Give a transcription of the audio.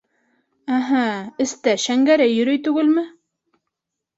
Әһә, эстә Шәңгәрәй йөрөй түгелме?